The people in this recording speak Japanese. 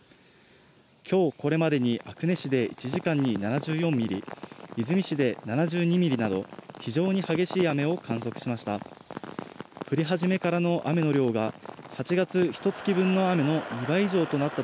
きょうこれまでに阿久根市で１時間に７４ミリ、出水市で７２ミリなど、非常に激しい雨を観測しました。